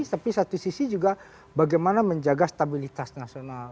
tapi satu sisi juga bagaimana menjaga stabilitas nasional